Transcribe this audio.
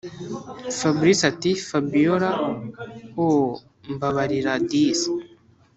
fabric ati”fabiora ooohh mbabarira disi